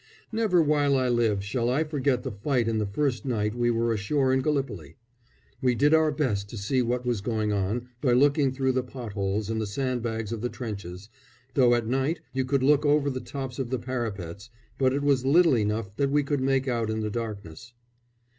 Never while I live shall I forget that fight in the first night we were ashore in Gallipoli. We did our best to see what was going on by looking through the pot holes in the sandbags of the trenches, though at night you could look over the tops of the parapets; but it was little enough that we could make out in the darkness.